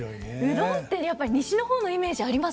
うどんってやっぱり西の方のイメージあります。